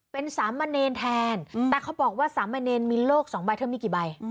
เป็นสามเณรแทนแต่เขาบอกว่าสามเณรมีโลกสองใบเธอมีกี่ใบ